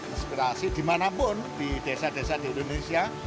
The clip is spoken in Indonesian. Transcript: inspirasi dimanapun di desa desa di indonesia